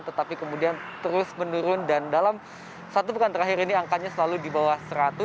tetapi kemudian terus menurun dan dalam satu pekan terakhir ini angkanya selalu di bawah seratus